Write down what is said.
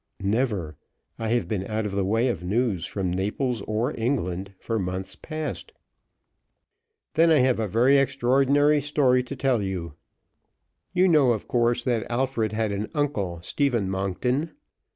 "Never. I have been out of the way of news from Naples or England for months past." "Then I have a very extraordinary story to tell you. You know, of course, that Alfred had an uncle, Stephen Monkton.